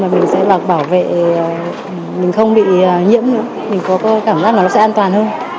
mình sẽ bảo vệ mình không bị nhiễm nữa mình có cảm giác là nó sẽ an toàn hơn